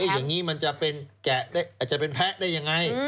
อย่างนี้มันจะเป็นแพ้ได้ยังไง